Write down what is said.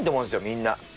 みんな。